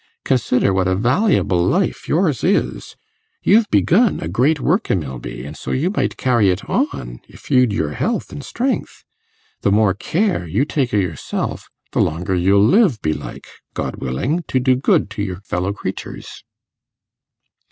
Consider what a valyable life yours is. You've begun a great work i' Milby, and so you might carry it on, if you'd your health and strength. The more care you take o' yourself, the longer you'll live, belike, God willing, to do good to your fellow creaturs.